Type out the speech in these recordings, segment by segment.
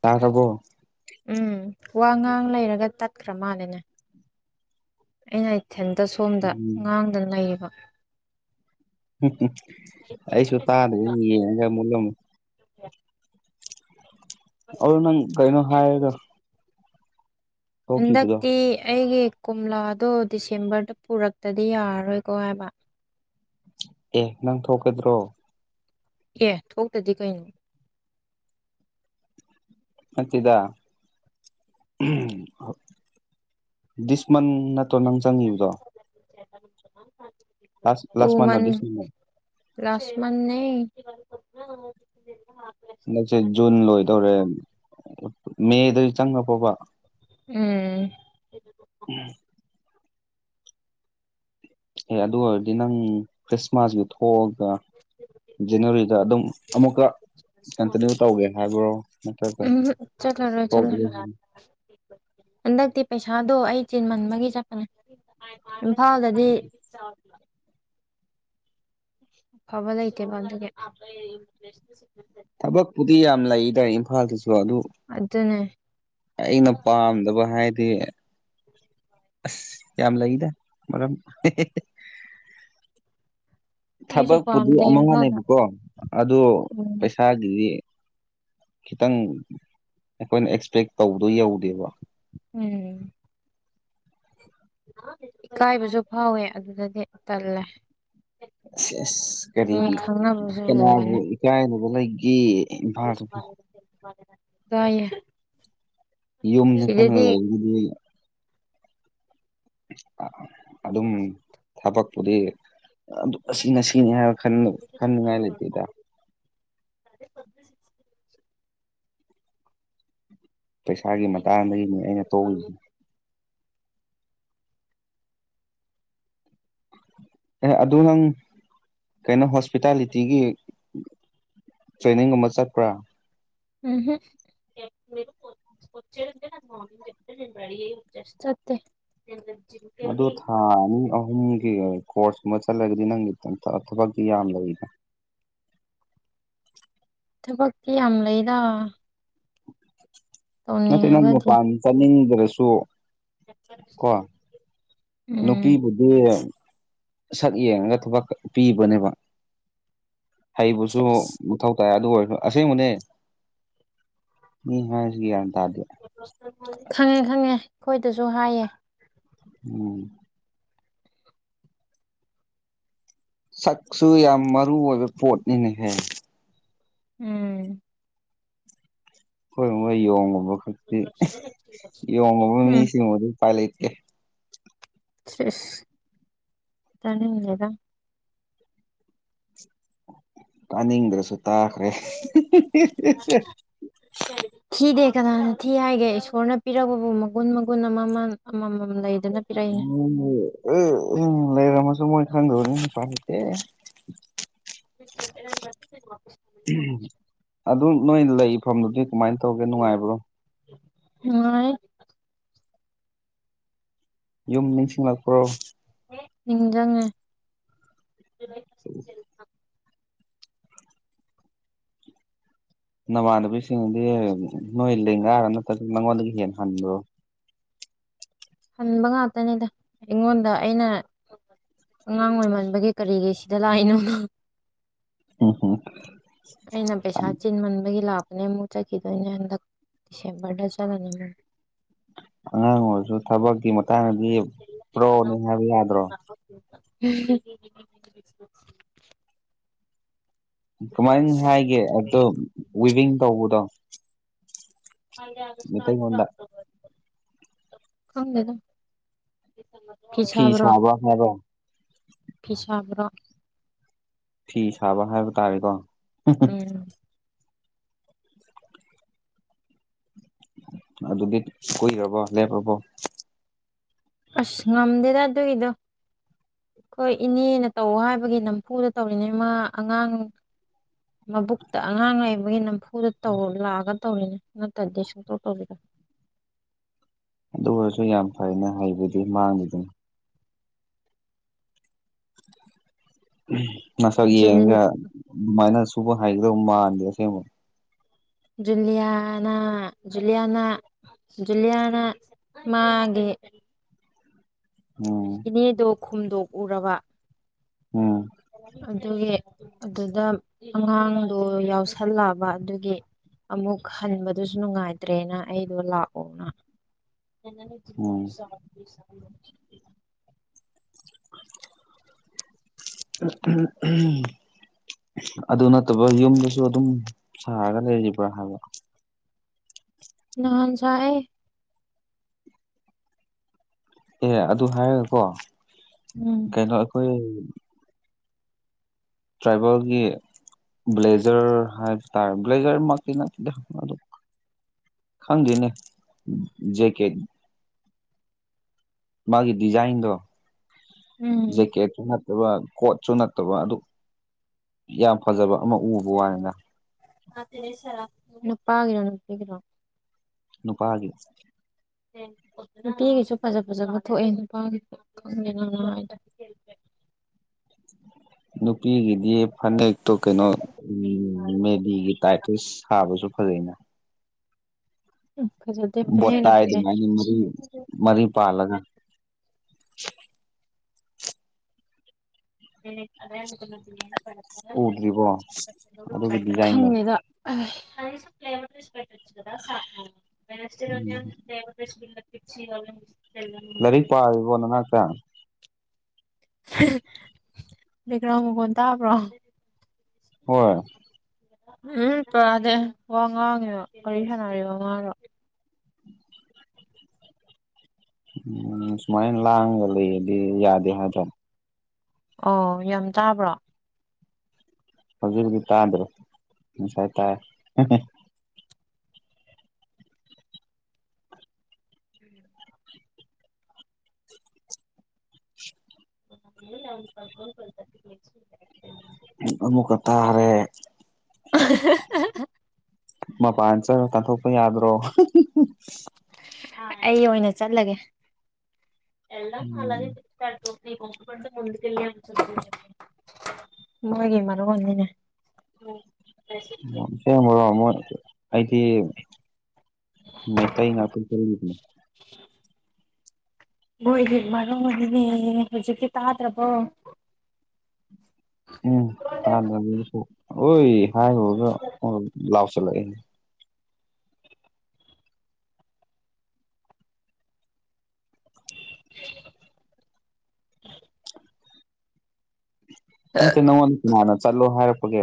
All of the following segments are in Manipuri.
ꯇ ꯍꯕꯣ ꯎꯝ ꯋꯥ ꯉꯥꯡ ꯂꯩꯔꯒ ꯇꯠꯈ꯭ꯔ ꯃꯥꯜꯂꯦꯅꯦ ꯑꯩꯅ ꯏꯊꯦꯟꯇ ꯁꯣꯝꯗ ꯎꯝ ꯉꯥꯡꯗꯅ ꯂꯩꯔꯤꯕ ꯑꯩꯁꯨ ꯇꯥꯗꯦ ꯌꯦꯡꯉꯒ ꯃꯨꯜꯂꯝꯃ [unintelligible] ꯑꯔ ꯅꯪ ꯀꯩꯅꯩꯅꯣ ꯍꯥꯏꯒ ꯍꯟꯗꯛꯇꯤ ꯑꯩꯒꯤ ꯀꯣꯝꯂꯥꯗꯣ ꯗꯤꯁꯦꯝꯕꯔꯗ ꯄꯨꯔꯛꯇꯗꯤ ꯌꯥꯔꯔꯣꯏꯀꯣ ꯍꯥꯏꯕ ꯑꯦ ꯅꯪ ꯊꯣꯛꯀꯗ꯭ꯔꯣ ꯑꯦ ꯊꯣꯛꯇꯗꯤ ꯀꯩꯅꯣ ꯅꯥꯠꯇꯦꯗꯥ ꯁꯃꯟ ꯑꯣ ꯅꯪ ꯆꯪꯉꯤꯕꯗꯣ [inaudible] ꯂꯥꯁ ꯂꯥꯁꯃꯥꯟꯃ ꯂꯥꯁꯃꯥꯟ ꯅꯦ ꯍꯟꯗꯛꯁꯦ ꯖꯨꯟ ꯂꯣꯏꯗꯧꯔꯦ ꯃꯦꯗ ꯆꯪꯉ ꯐꯥꯎꯕ ꯎꯝ [unintelligible] ꯑꯦ ꯑꯗꯨ ꯑꯣꯏꯔꯗꯤ ꯅꯪ ꯈ꯭ꯔꯤꯁꯃꯥꯁꯒꯤ ꯊꯣꯛꯑꯒ ꯖꯅꯋꯥꯔꯤꯗ ꯑꯗꯨꯝ ꯑꯃꯨꯛꯀ ꯀꯟꯇꯤꯅ꯭ꯌꯨ ꯇꯧꯒꯦ ꯍꯥꯏꯕ꯭ꯔꯣ ꯅꯠꯇ꯭ꯔꯒ ꯆꯠꯂꯔ ꯆꯠꯂꯔ ꯍꯟꯗꯛꯇꯤ ꯄꯩꯁꯥꯗꯣ ꯑꯩ ꯆꯤꯟꯃꯟꯕꯒꯤ ꯆꯠꯄꯅꯦ ꯏꯝꯐꯥꯜꯗꯗꯤ [unintelligible] ꯐꯕ ꯂ ꯂꯩꯇ ꯗꯨꯒꯦ ꯊꯕꯛꯄꯨꯗꯤ ꯌꯥꯝ ꯂꯩꯇꯥꯔꯦ ꯏꯝꯐꯥꯜꯗꯁꯨ ꯑꯗꯨ ꯑꯗꯨꯅꯦ ꯑꯩꯅ ꯄꯥꯝꯗꯕ ꯍꯥꯏꯗꯤ ꯑꯁ ꯌꯥꯝ ꯂꯩꯗ ꯃꯔꯝ ꯑꯩꯁꯨ ꯊꯕꯛꯄꯨꯗꯤ ꯄꯥꯝꯗꯦ ꯏꯝꯐꯥꯜꯗ ꯑꯃꯅꯦꯕꯀꯣ ꯑꯗꯣ ꯎꯝ ꯏꯁꯥꯒꯤꯗꯤ ꯈꯤꯇꯪ ꯑꯩꯈꯣꯏꯅ ꯑꯦꯛꯁꯄꯦꯛ ꯇꯧꯕꯗꯣ ꯌꯧꯗꯦꯕ ꯎꯝ ꯏꯀꯥꯏꯕꯁꯨ ꯐꯥꯎꯋꯦ ꯑꯗꯨꯗꯗꯤ ꯇꯜꯂꯦ ꯑꯁ ꯑꯁ ꯀꯔꯤ ꯃꯤ ꯈꯪꯅꯕꯁꯨ ꯀꯅꯥꯕꯨ ꯎꯒꯅꯤ ꯏꯀꯥꯏꯅꯕ ꯂꯩꯒꯦ ꯏꯝꯐꯥꯜꯗꯨꯕꯨ ꯏꯀꯥꯏꯌꯦ ꯌꯨꯝꯅꯤ ꯈꯜꯅ ꯁꯤꯗꯗꯤ ꯂꯩꯒꯗꯤ ꯑꯗꯨꯝ ꯊꯕꯛꯄꯨꯗꯤ ꯑꯗꯨ ꯑꯁꯤꯅ ꯁꯤꯅꯤ ꯍꯥꯏꯕ ꯀꯟꯅ ꯀꯟꯅ ꯉꯥꯏ ꯂꯩꯇꯗ [inaudible] ꯄꯩꯁꯥꯒꯤ ꯃꯇꯥꯡꯗꯒꯤꯅꯦ ꯑꯩꯅ ꯇꯧꯏꯁꯦ ꯑꯦ ꯑꯗꯨ ꯅꯪ ꯀꯩꯅꯣ ꯍꯣꯁꯄꯤꯇꯥꯂꯤꯇꯤꯒꯤ ꯇ꯭ꯔꯦꯅꯤꯡꯒꯨꯝꯕ ꯆꯠꯄ꯭ꯔꯥ ꯎꯝꯝ ꯆꯠꯇꯦ [inaudible] ꯑꯗꯨ ꯊꯥꯔꯥꯅꯤ ꯑꯍꯨꯝꯒꯤ ꯀꯣꯔꯁꯀꯨꯝꯕ ꯆꯠꯂꯒꯗꯤ ꯅꯪꯒꯤ ꯊꯕꯛꯇꯤ ꯌꯥꯝ ꯂꯩꯔꯤꯗ ꯊꯕꯛꯇꯤ ꯌꯥꯝ ꯂꯩꯗ ꯅꯠꯇꯦ ꯅꯪ ꯇꯧꯅꯤꯡꯉꯒꯗꯤ ꯃꯄꯥꯟ ꯆꯠꯅꯤꯡꯗ꯭ꯔꯁꯨ ꯀꯣ [inaudible] ꯅꯨꯄꯤꯕꯨꯗꯤ ꯁꯛ ꯌꯦꯡꯉꯒ ꯊꯕꯛ ꯄꯤꯕꯅꯦꯕ ꯍꯩꯕꯁꯨ ꯁꯦꯁ ꯃꯊꯧ ꯇꯥꯏ ꯑꯗꯨ ꯑꯣꯏꯔꯁꯨ ꯑꯁꯦꯡꯕꯅꯦ ꯃꯤ ꯍꯥꯏꯁꯤꯒꯅ ꯇꯥꯗꯦ ꯈꯪꯉꯦ ꯈꯪꯉꯦ ꯑꯩꯈꯣꯏꯗꯁꯨ ꯍꯥꯏꯌꯦ ꯎꯝ ꯁꯛꯁꯨ ꯌꯥꯝ ꯃꯔꯨ ꯑꯣꯏꯕ ꯄꯣꯠꯅꯤꯅꯦꯍꯦ ꯎꯝ ꯍꯈꯣꯏ ꯃꯣꯏ ꯌꯣꯡꯉꯨꯕ ꯈꯛꯇꯤ ꯌꯣꯡꯉꯨꯕ ꯎꯝ ꯃꯤꯁꯤꯡ ꯑꯗꯨ ꯑꯗꯨꯝ ꯎꯄꯥꯏ ꯂꯩꯇꯦ ꯁ‌ꯦꯁ ꯇꯥꯅꯤꯡꯗ‌ꯦꯗ ꯇꯥꯅꯤꯡꯗ꯭ꯔꯁꯨ ꯇꯥꯈ꯭ꯔꯦ ꯀꯔꯤ ꯊꯤꯗꯦ ꯀꯅꯥꯅ ꯊꯤ ꯍꯥꯏꯒꯦ ꯏꯁꯣꯔꯅ ꯄꯤꯔꯛꯄꯕꯨ ꯃꯒꯨꯟ ꯃꯒꯨꯟ ꯑꯃꯃꯝ ꯑꯃꯃꯝ ꯂꯩ ꯎ ꯂꯩꯥꯔꯝꯃꯁꯨ ꯃꯣꯏ ꯊꯪꯒꯗꯕꯅꯤꯅ ꯎꯄꯥꯏ ꯂꯩꯇꯦ [inaudible] ꯑꯗꯨ ꯅꯣꯏ ꯂꯩꯐꯝꯗꯨꯗꯤ ꯀꯃꯥꯏꯅ ꯇꯧꯒꯦ ꯅꯨꯡꯉꯥꯏꯕ꯭ꯔꯣ ꯅꯨꯡꯉꯥꯏ ꯌꯨꯝ ꯅꯤꯡꯁꯤꯡꯂꯛꯄ꯭ꯔꯣ ꯅꯤꯡꯖꯪꯉꯦ [inaudible] ꯅꯃꯥꯟꯅꯕꯤꯁꯤꯡꯗꯤ ꯅꯣꯏ ꯏꯜꯜꯂꯤ ꯉꯔ ꯅꯠꯇ ꯅꯪꯉꯣꯟꯗꯒꯤ ꯂ‌ꯦꯍꯟꯕꯔꫭ ꯍꯟꯕ ꯉꯥꯛꯇꯅꯤꯗ ꯑꯩꯉꯣꯟꯗ ꯑꯩꯅ ꯑꯉꯥꯡ ꯑꯣꯏꯃꯟꯕꯒꯤ ꯀꯔꯤꯒꯤ ꯁꯤꯗ ꯂꯥꯛꯏꯅꯣ ꯅꯪ ꯎꯝ ꯍꯝ ꯑꯩꯅ ꯄꯩꯁꯥ ꯆꯤꯟꯃꯟꯕꯒꯤ ꯂꯥꯛꯄꯅꯦ ꯑꯃꯨꯛ ꯆꯠꯈꯤꯗꯣꯏꯅꯦ ꯍꯟꯗꯛ ꯗꯤꯁꯦꯝꯕꯔꯗ ꯆꯠꯂꯅꯤ ꯃꯨꯛ ꯑꯉꯥꯡ ꯑꯣꯏꯔꯁꯨ ꯊꯕꯛꯀꯤ ꯃꯇꯥꯡꯗꯗꯤ ꯄ꯭ꯔꯣꯅꯤ ꯍꯥꯏꯕ ꯌꯥꯗ꯭ꯔꯣ [unintelligible] ꯀꯃꯥꯏꯅ ꯍꯥꯏꯒꯦ ꯑꯗꯣ ꯋꯤꯚꯤꯡ ꯇꯧꯕꯗꯣ ꯃꯩꯇꯩꯉꯣꯟꯗ ꯈꯪꯗ‌ꯦꯗ ꯐꯤ ꯐꯤꯁꯥꯕ꯭ꯔꯣ ꯁꯥꯕ ꯍꯥꯏꯕ꯭ꯔꯣ ꯐꯤꯁꯥꯕ꯭ꯔꯣ ꯐꯤ ꯁꯥꯕ ꯍꯥꯏꯕ ꯇꯥꯔꯦꯀꯣ ꯎꯝ ꯑꯗꯨꯗꯤ ꯀꯨꯏꯔꯕꯣ ꯂꯦꯞꯔꯕꯣ ꯑꯁ ꯉꯝꯗ‌ꯦꯗ ꯑꯗꯨꯒꯤꯗꯣ ꯑꯩꯈꯣꯏ ꯏꯅꯦꯅ ꯇꯧ ꯍꯥꯏꯕꯒꯤ ꯅꯝꯐꯨꯗ ꯇꯧꯔꯤꯅꯦ ꯃ ꯑꯉꯥꯡ ꯃꯕꯨꯛꯇ ꯑꯉꯥꯡ ꯂꯩꯕꯒꯤ ꯅꯝꯐꯨꯗ ꯇꯧ ꯂꯥꯛꯑꯒ ꯇꯧꯔꯤꯅꯦ ꯅꯠꯇ꯭ꯔꯗꯤ ꯁꯨꯡꯇꯧ ꯇꯧꯕꯤꯔꯣꯏ ꯑꯗꯨ ꯑꯣꯏꯔꯁꯨ ꯌꯥꯝ ꯐꯩꯅꯦ ꯍꯩꯕꯗꯤ ꯃꯥꯡꯗꯤꯗꯨꯅꯤ ꯅꯁꯛ ꯌꯦꯡꯉꯒ ꯑꯗꯨꯃꯥꯏꯅ ꯁꯨꯕ ꯍꯥꯏꯒꯗꯧꯕ ꯃꯥꯟꯗꯦ ꯑꯁꯦꯡꯕ ꯖꯨꯂꯤꯌꯥꯅ ꯖꯨꯂꯤꯌꯥꯅ ꯖꯨꯂꯤꯌꯥꯅ ꯃꯥꯒꯤ ꯎꯝ ꯏꯅꯦꯗꯣ ꯈꯨꯝꯗꯣꯛꯎꯔꯕ ꯎꯝ ꯑꯗꯨꯒꯤ ꯑꯗꯨꯗ ꯑꯉꯥꯡꯗꯣ ꯌꯥꯎꯁꯜꯂꯑꯕ ꯑꯗꯨꯒꯤ ꯑꯃꯨꯛ ꯍꯟꯕꯗꯨꯁꯨ ꯅꯨꯡꯉꯥꯏꯇ꯭ꯔꯦꯅ ꯑꯩꯗꯣ ꯂꯥꯛꯑꯣꯅ ꯎꯝ [inaudible] ꯎꯝ ꯎꯝ ꯑꯗꯨ ꯅꯠꯇꯕ ꯌꯨꯝꯗꯁꯨ ꯑꯗꯨꯝ ꯁꯥꯔꯒ ꯂꯩꯔꯤꯕ꯭ꯔꯥ ꯍꯥꯏꯕ ꯅꯍꯥꯟꯁꯌꯦ ꯑꯦ ꯑꯗꯨ ꯍꯥꯏꯔꯒꯀꯣ ꯎꯝ ꯀꯩꯅꯣ ꯑꯩꯈꯣꯏ ꯇ꯭ꯔꯥꯏꯕꯦꯜꯒꯤ ꯕ꯭ꯂꯦꯖꯔ ꯍꯥꯏꯕꯇ ꯕ꯭ꯂꯦꯖꯔ ꯃꯛꯇꯤ ꯅꯠꯇ‌ꯦꯗ ꯃꯗꯨ ꯈꯪꯗꯦꯅꯦ ꯖꯦꯛꯀꯦꯠ ꯃꯥꯒꯤ ꯗꯤꯖꯥꯏꯟꯗꯣ ꯎꯝ ꯖꯦꯀꯦꯠꯁꯨ ꯅꯠꯇꯕ ꯀꯣꯠꯁꯨ ꯅꯠꯇꯕ ꯑꯗꯨ ꯌꯥꯝ ꯐꯖꯕ ꯑꯃ ꯎꯕ ꯋꯥꯅꯤꯗ ꯅꯨꯄꯥꯒꯤꯔ ꯅꯨꯄꯤꯒꯤꯔꯣ ꯅꯨꯄꯥꯒꯤ ꯅꯨꯄꯤꯒꯤꯁꯨ ꯐꯖ ꯐꯖꯕ ꯊꯣꯛꯑꯦ ꯅꯨꯄꯥꯒꯤꯁꯨ ꯈꯪꯗꯦ ꯍꯥꯏꯗꯣ ꯅꯨꯄꯤꯒꯤꯗꯤ ꯐꯅꯦꯛꯇꯣ ꯀꯩꯅꯣ ꯎꯝ ꯃꯦꯗꯤꯒꯤ ꯇꯥꯏꯇꯤꯁ ꯁꯥꯕꯁꯨ ꯐꯖꯩꯅ ꯎꯝ ꯐꯖ ꯕꯣꯇꯥꯏ ꯑꯗꯨꯃꯥꯏꯅ ꯃꯔꯤ ꯃꯔꯤ ꯄꯥꯜꯂꯒ ꯎꯗ꯭ꯔꯤꯕꯣ [unintelligible] ꯑꯗꯨꯒꯤ ꯗꯤꯖꯥꯏꯟꯗꯣ [unintelligible] ꯎꯝ [unintelligible] ꯂꯥꯏꯔꯤꯛ ꯄꯥꯔꯤꯕꯣ ꯅ ꯅꯛꯇ ꯕꯦꯛꯒꯔꯥꯎꯟ ꯃꯈꯣꯜ ꯇꯕꯔꯣ ꯍꯣꯏ ꯎꯝ ꯄꯗꯦ ꯋꯥ ꯉꯥꯡꯉꯤꯔꯣ ꯒꯔꯤ ꯁꯥꯟꯅꯔꯤꯕ ꯃꯥꯗꯣ ꯎꯝ ꯁꯨꯃꯥꯏꯅ ꯂꯥꯡꯒ ꯂꯩꯔꯗꯤ ꯌꯥꯗꯦ ꯍꯥꯏꯗ ꯑꯣ ꯌꯥꯝ ꯇꯥꯕ꯭ꯔꯣ ꯍꯧꯖꯤꯛ ꯍꯧꯖꯤꯛ ꯇꯥꯗ꯭ꯔꯦ ꯉꯁꯥꯏ ꯇꯥꯏ ꯎꯝ [unintelligible] ꯑꯃꯨꯛꯀ ꯇꯥꯥꯔꯦ [unintelligible] ꯃꯄꯥꯟ ꯆꯠ ꯀꯟꯊꯣꯛꯄ ꯌꯥꯗ꯭ꯔꯣ ꯑꯩ ꯑꯣꯏꯅ ꯆꯠꯂꯒꯦ ꯎꯝ [unintelligible] ꯃꯣꯏꯒꯤ ꯃꯔꯣꯟꯅꯤꯅꯦ ꯑꯁꯦꯡꯕꯔꯣ ꯃꯣꯏ ꯑꯩꯗꯤ ꯃꯩꯇꯩ ꯉꯥꯛꯇ [unintelligible] [inaudible] ꯃꯣꯏꯒꯤ ꯃꯔꯣꯟꯅꯤꯅꯦ ꯍꯧꯖꯤꯛꯇꯤ ꯇꯥꯗ꯭ꯔꯕꯣ ꯎꯝ [unintelligible] ꯑꯣꯏ ꯍꯥꯏꯔꯨꯔꯒ ꯂꯥꯎꯁꯤꯜꯂꯛ ꯑꯦ ꯅꯠꯇꯦ ꯅꯉꯣꯟꯗ ꯀꯅꯥꯅ ꯆꯠꯂꯣ ꯍꯥꯏꯔꯛꯄꯒꯦ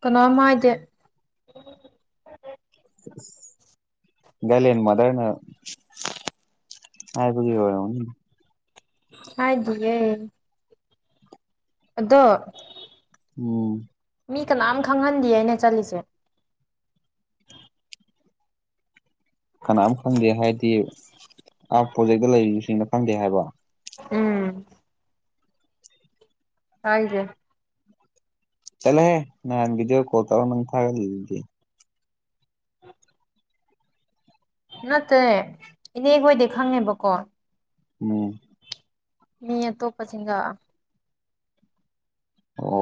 ꯀꯅꯥꯝ ꯍꯥꯏꯗꯦ ꯒꯥꯏꯂꯦꯟ ꯃꯥꯗ꯭ꯔꯅ ꯍꯥꯏꯕꯒꯤ ꯑꯣꯏꯔꯝꯒꯅꯤ ꯍꯥꯏꯗꯤꯌꯦ ꯑꯗꯣ ꯎꯝ ꯃꯤ ꯀꯅꯥꯝ ꯈꯪꯍꯟꯗꯤꯌꯦ ꯑꯩꯅ ꯆꯠꯂꯤꯁꯦ ꯀꯅꯥꯝ ꯈꯪꯗꯦ ꯍꯥꯏꯗꯤ ꯑꯥ ꯄ꯭ꯔꯣꯖꯦꯛꯇ ꯂꯩꯔꯤꯕꯁꯤꯡꯅ ꯈꯪꯗꯦ ꯍꯥꯏꯕ ꯎꯝ ꯍꯥꯏꯖꯦ ꯆꯂꯦꯍꯦ ꯅꯍꯥꯟ ꯚꯤꯗ꯭ꯌꯣ ꯀꯣꯜ ꯇꯧꯔ ꯅꯪ ꯊꯥꯒꯠꯂꯤꯗꯨꯗꯤ ꯅꯠꯇꯦ ꯏꯅꯦ ꯈꯣꯏꯗꯤ ꯈꯪꯉꯦꯕꯀꯣ ꯎꯝ ꯃꯤ ꯑꯇꯣꯞꯄ ꯁꯤꯡꯒꯥ ꯑꯣ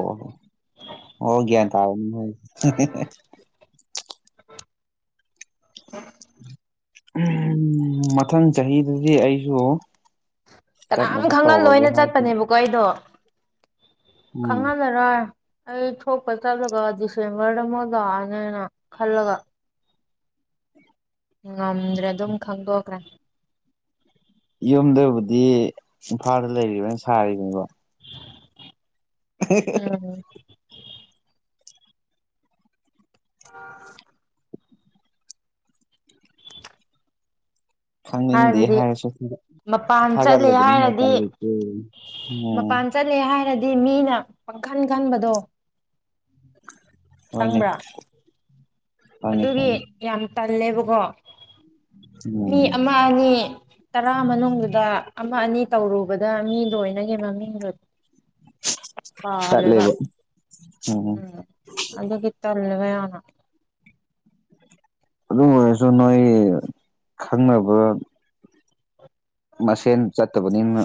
ꯑꯣ ꯒ꯭ꯌꯥꯟ ꯇꯥꯔ [unintelligible] [inaudible] ꯃꯊꯪ ꯆꯍꯤꯗꯗꯤ ꯑꯩꯁꯨ ꯀꯅꯥꯝ ꯆꯠꯅꯕ ꯈꯪ ꯇꯧꯔꯒꯦ ꯍꯜꯂꯣꯏꯅ ꯍꯥꯏꯗꯤ ꯆꯠꯄꯅꯦꯕ ꯀꯣ ꯑꯩꯗꯣ ꯎꯝ ꯈꯪꯍꯜꯂꯔꯣꯏ ꯑꯩ ꯊꯣꯛꯄ ꯆꯠꯂꯒ ꯗꯤꯁꯦꯝꯕꯔꯗ ꯑꯃꯨꯛ ꯂꯥꯛꯑꯅꯦꯅ ꯈꯜꯂꯒ ꯉꯝꯗ꯭ꯔꯦ ꯑꯗꯨꯝ ꯈꯪꯗꯣꯛꯈ꯭ꯔꯦ ꯌꯨꯝꯗꯕꯨꯗꯤ ꯏꯝꯐꯥꯜꯗ ꯂꯩꯔꯤꯕꯅ ꯁꯥꯔꯤꯕꯅꯤꯕ ꯎꯝ [inaudible] ꯈꯪꯅꯤꯡꯗꯦ ꯍꯥꯏꯕꯗꯤ ꯍꯥꯏꯔꯁꯨ ꯃꯄꯥꯟ ꯆꯠꯂꯦ ꯊꯥꯒꯠꯂꯕꯅꯤꯅ ꯍꯥꯏꯔꯗꯤ ꯎꯄꯥꯏ ꯂꯩꯇꯦ ꯎꯝ ꯃꯄꯥꯟ ꯆꯠꯂꯦ ꯍꯥꯏꯔꯗꯤ ꯃꯤꯅ ꯄꯪꯈꯟ ꯈꯟꯕꯗꯣ ꯍꯣꯏꯅꯦ ꯈꯪꯕ꯭ꯔꯥ ꯈꯪꯉꯦ ꯑꯗꯨꯒꯤ ꯈꯪꯉꯦ ꯌꯥꯝ ꯇꯜꯂꯦꯕꯀꯣ ꯃꯤ ꯎꯝ ꯑꯃ ꯑꯅꯤ ꯇꯔꯥ ꯃꯅꯨꯡꯗꯨꯗ ꯑꯃ ꯑꯅꯤ ꯇꯧꯔꯨꯕꯗ ꯃꯤꯗꯣ ꯂꯣꯏꯅꯒꯤ ꯃꯃꯤꯡꯗꯨ ꯆꯠꯂꯦꯕ ꯎꯝ ꯑꯗꯨꯒꯤ ꯇꯜꯂꯦꯕ ꯌꯥꯝꯅ ꯑꯗꯨ ꯑꯣꯏꯔꯁꯨ ꯅꯣꯏ ꯈꯪꯅꯕ ꯃꯁꯦꯟ ꯆꯠꯇꯕꯅꯤꯅ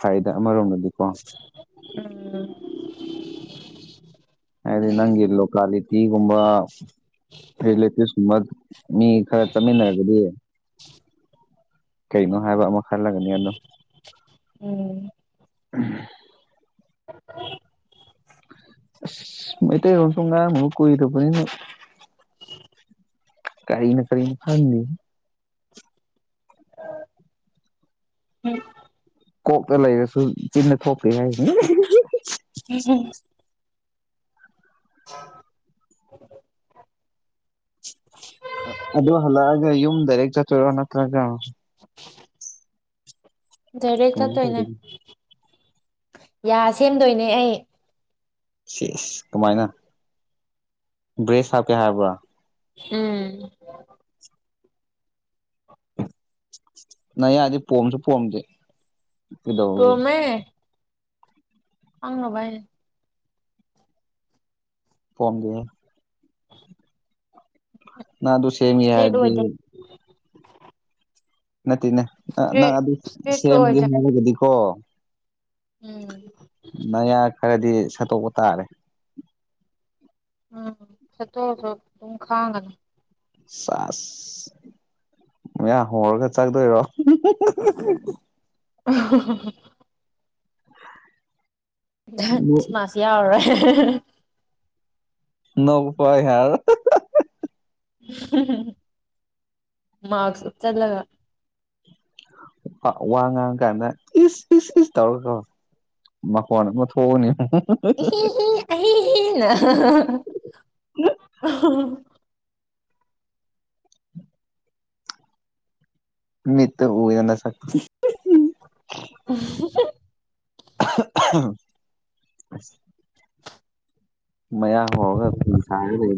ꯐꯩꯗ ꯑꯃꯔꯣꯝꯗꯗꯤꯀꯣ ꯎꯝ ꯍꯥꯏꯗꯤ ꯅꯪꯒꯤ ꯂꯣꯀꯂꯤꯇꯤꯒꯨꯝꯕ ꯔꯤꯂꯦꯇꯚꯁꯒꯨꯝꯕ ꯃꯤ ꯈꯔ ꯆꯠꯃꯤꯟꯅꯔꯒꯗꯤ ꯀꯩꯅꯣ ꯍꯥꯏꯕ ꯑꯃ ꯈꯜꯂꯒꯅꯤ ꯑꯗꯣ ꯎꯝ ꯎꯝ [unintelligible] ꯃꯣꯏꯇꯩ ꯔꯁꯨ ꯉꯃꯨ ꯀꯣꯏꯔꯕꯨ ꯀꯔꯤꯅ ꯀꯔꯤꯅꯤ ꯐꯥꯟꯅꯤ ꯎꯝ ꯀꯣꯛꯇ ꯂꯩꯔꯁꯨ ꯆꯤꯟꯅ ꯊꯣꯛꯄꯦ ꯍꯥꯏꯅꯤ ꯎꯝ [inaudible] ꯑꯗꯨꯗ ꯍꯂꯒ ꯌꯨꯝ ꯗꯗꯥꯔꯦꯛ ꯆꯠꯇ ꯅꯠꯇ꯭ꯔꯒ [unintelligible] ꯗꯥꯏꯔꯦꯛ ꯀꯃꯥꯏꯅ ꯆꯠꯇꯣꯏꯅꯦ ꯇꯧꯗꯣꯏꯅꯣ ꯌꯥ ꯁꯦꯝꯗꯣꯏꯅꯦ ꯑꯩ ꯁꯤ ꯀꯃꯥꯏꯅ ꯕ꯭ꯔꯦꯁ ꯍꯥꯞꯀꯦ ꯍꯥꯏꯕ꯭ꯔꯥ ꯎꯝ ꯅꯪ ꯌꯥꯗꯤ ꯄꯣꯝꯁꯨ ꯄꯣꯝꯗꯦ ꯀꯩꯗꯧꯔꯒꯦ ꯇꯃꯦ ꯑꯪꯅ ꯚꯥꯏ ꯐꯣꯟꯒꯦ ꯅ ꯇꯨ ꯁꯦꯃꯤ ꯍꯥꯏ ꯏꯁꯇ꯭ꯔꯦꯠ ꯑꯣꯏꯗꯦ ꯅꯠꯇꯦꯅꯦ ꯏꯁꯇ꯭ꯔꯦꯠ ꯅꯪ ꯑꯗꯨ ꯏꯁꯇ꯭ꯔꯦꯠꯁꯨ ꯁꯦꯝꯒꯦ ꯑꯣꯏꯗꯦ ꯍꯥꯏꯔꯒꯗꯤꯀꯣ ꯎꯝ ꯃꯌꯥ ꯈꯔꯗꯤ ꯁꯠꯇꯣꯛꯄ ꯇꯥꯔꯦ ꯎꯝ ꯆꯠꯇꯣꯛꯁꯨ ꯑꯗꯨꯝ ꯈꯥꯡꯒꯅꯤ ꯆꯁ ꯃ ꯌꯥ ꯍꯔꯒ ꯆꯥꯛꯗꯣꯏꯔꯣ ꯎ ꯍꯥ ꯍꯥ ꯈ꯭ꯔꯤꯁꯃꯥꯁ ꯌꯥꯎꯔꯔꯣꯏ ꯅꯄ ꯍꯔ ꯃꯥꯔꯛꯁ ꯎ ꯎꯆꯆꯔꯂꯒ ꯋꯥ ꯉꯥꯡ ꯀꯥꯟꯗ ꯏꯁ ꯏꯁ ꯏꯁ ꯇꯧꯔꯀꯣ ꯃꯈꯣꯟ ꯑꯃ ꯊꯣꯛꯎꯅꯤ ꯏ ꯑ ꯃꯤꯠꯇ ꯎ ꯌꯥꯅ ꯁ [unintelligible] ꯎ ꯃꯌꯥ ꯍꯣꯡꯔꯒ ꯐ ꯁꯥꯔ ꯂꯩ